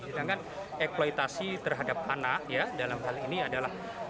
sedangkan ekualitasi terhadap anak dalam hal ini adalah